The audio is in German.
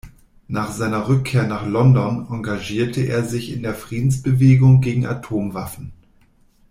Nach seiner Rückkehr nach London engagierte er sich in der Friedensbewegung gegen Atomwaffen.